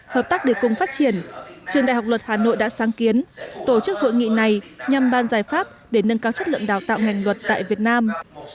hợp tác để cùng phát triển trường đại học luật hà nội đã sáng kiến tổ chức hội nghị này nhằm ban giải pháp để nâng cao chất lượng đào tạo ngành luật tại việt nam